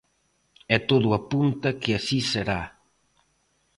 E todo apunta que así será.